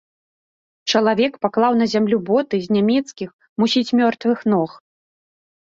Чалавек паклаў на зямлю боты з нямецкіх, мусіць мёртвых, ног.